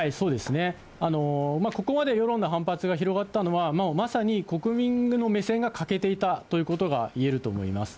ここまで世論の反発が広がったのは、まさに国民の目線が欠けていたということがいえると思います。